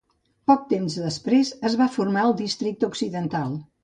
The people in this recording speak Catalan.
Poc temps després es va formar el districte occidental.